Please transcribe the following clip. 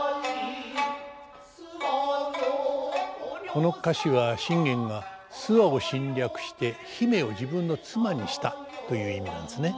この歌詞は信玄が諏訪を侵略して姫を自分の妻にしたという意味なんですね。